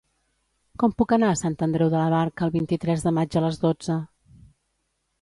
Com puc anar a Sant Andreu de la Barca el vint-i-tres de maig a les dotze?